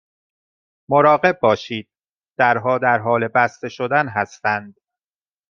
مراقب باشید، درها در حال بسته شدن هستند.